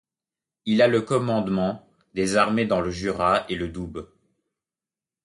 Il a le commandement des Armées dans le Jura et le Doubs.